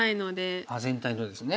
あっ全体のですね。